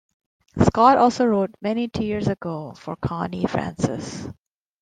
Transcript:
Scott also wrote "Many Tears Ago" for Connie Francis.